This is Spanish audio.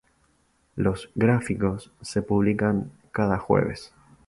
Los gráficos se publican cada jueves.